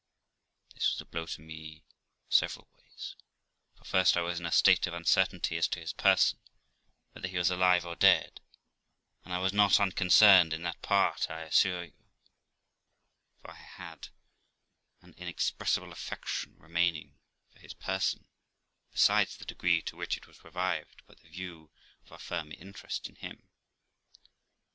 This was a blow to me several ways; for, first, I was in a state of uncertainty as to his person, whether he was alive or dead; and I was not unconcerned in that part, I assure you ; for I had an inexpressible affection remaining for his person, besides the degree to which it was revived by the view of a firmer interest in him.